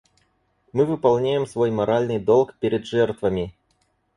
Мы выполняем свой моральный долг перед жертвами.